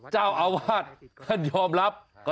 เจ้าอาวาสท่านยอมรับ